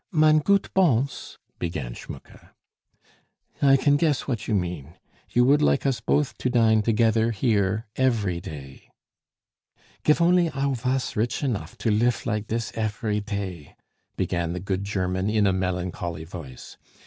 "Mine goot Bons?" began Schmucke. "I can guess what you mean; you would like us both to dine together here, every day " "Gif only I vas rich enof to lif like dis efery tay " began the good German in a melancholy voice.